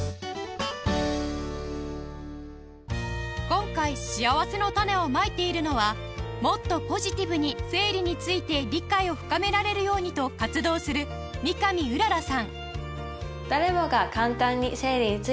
今回しあわせのたねをまいているのはもっとポジティブに生理について理解を深められるようにと活動する三上麗さん